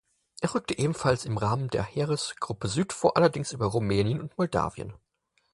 Es rückte ebenfalls im Rahmen der Heeresgruppe Süd vor, allerdings über Rumänien und Moldawien.